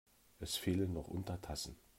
Es fehlen noch Untertassen.